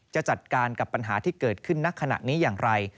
จะจัดการกับปัญหาที่เกิดขึ้นณขณะนี้อย่างไร